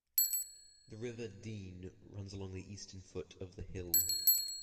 The River Dean runs along the eastern foot of the hill.